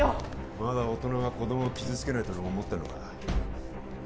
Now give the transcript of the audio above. まだ大人が子供を傷つけないとでも思ってんのか？